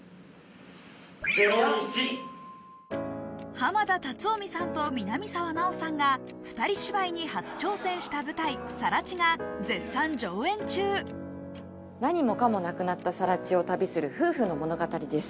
濱田龍臣さんと南沢奈央さんが２人芝居に初挑戦した舞台『更地』が絶賛上演中何もかもなくなった更地を旅する夫婦の物語です。